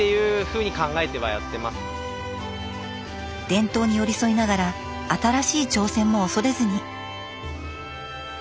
伝統に寄り添いながら新しい挑戦も恐れずに。